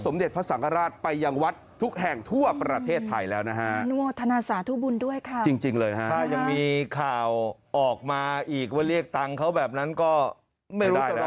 ไม่รู้จะร้องเพลงอะไรแล้วนะครับ